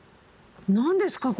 何ですか？